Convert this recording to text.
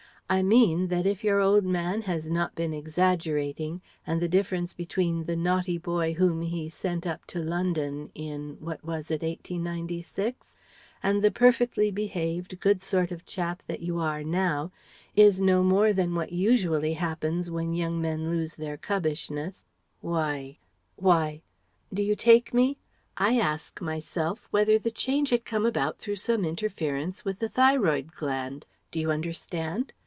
I mean, that if your old man has not been exaggerating and that the difference between the naughty boy whom he sent up to London in what was it? 1896? and the perfectly behaved, good sort of chap that you are now is no more than what usually happens when young men lose their cubbishness, why why do you take me? I ask myself whether the change had come about through some interference with the thyroid gland. Do you understand?